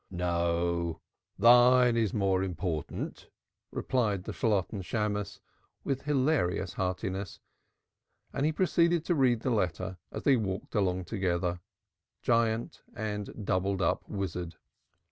"Nay, thine is more important," replied the Shalotten Shammos with hilarious heartiness, and he proceeded to read the letter as they walked along together, giant and doubled up wizard.